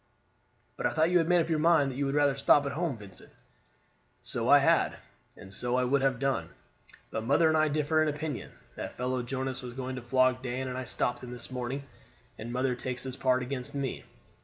"But I thought you had made up your mind that you would rather stop at home, Vincent?" "So I had, and so I would have done, but mother and I differ in opinion. That fellow Jonas was going to flog Dan, and I stopped him this morning, and mother takes his part against me.